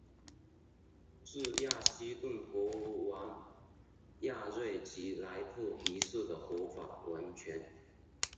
自雅西顿国王亚瑞吉来布一世的合法王权。